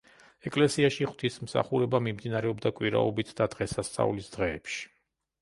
ეკლესიაში ღვთისმსახურება მიმდინარეობდა კვირაობით და დღესასწაულის დღეებში.